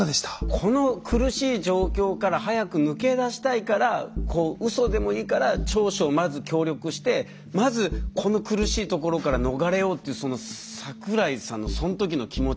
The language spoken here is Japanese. この苦しい状況から早く抜け出したいからウソでもいいから調書をまず協力してまずこの苦しいところから逃れようっていう桜井さんのそんときの気持ち。